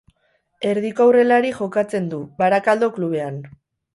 Erdiko aurrelari jokatzen du, Barakaldo klubean.